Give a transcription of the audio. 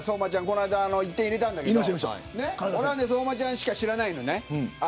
この間、１点入れたんだけど俺は相馬ちゃんしか知らないのよね。